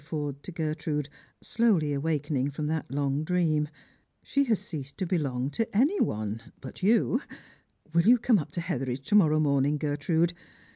Forde to Gertrude, slowly awakening from that long dream. " She has ceased to belong to any one — but you. Will you come xl\> to Hetheridge to morrow morning, Gertrude